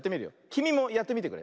きみもやってみてくれ。